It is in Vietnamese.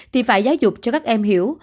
thì phải giáo dục cho các em hiểu